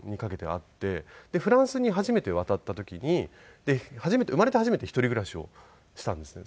でフランスに初めて渡った時に生まれて初めて一人暮らしをしたんですね。